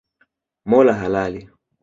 Mola halali